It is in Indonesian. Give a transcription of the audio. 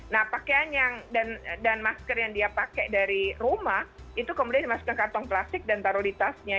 nah pakaian dan masker yang dia pakai dari rumah itu kemudian dimasukkan kantong plastik dan taruh di tasnya